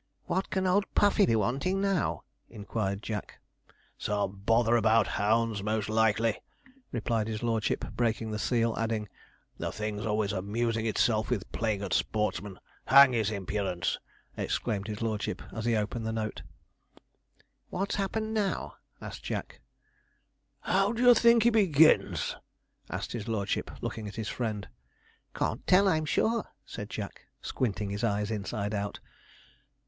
'What can old Puffey be wanting now?' inquired Jack. 'Some bother about hounds, most likely,' replied his lordship, breaking the seal, adding, 'the thing's always amusing itself with playing at sportsman. Hang his impudence!' exclaimed his lordship, as he opened the note. 'What's happened now?' asked Jack. 'How d'ye think he begins?' asked his lordship, looking at his friend. 'Can't tell, I'm sure,' said Jack, squinting his eyes inside out.